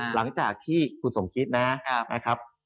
หลังจากที่คุณสมคิดนะครับ